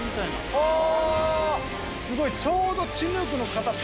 すごいちょうど。